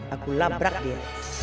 aku labrak dia